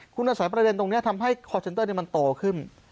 คุณอาศัยประเด็นตรงเนี้ยทำให้เนี้ยมันโตขึ้น